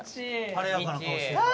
晴れやかな顔してるな。